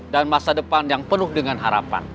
dan masa depan yang penuh dengan harapan